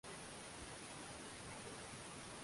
uharifu wa mauaji ya kimbari unatakiwa kufatiliwa kisheria